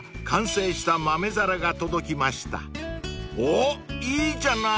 ［おっいいじゃない！］